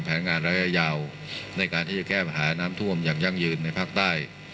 ทรงมีลายพระราชกระแสรับสั่งให้กลับสู่ภาคใต้